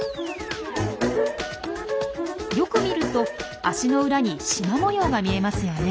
よく見ると足の裏に縞模様が見えますよね。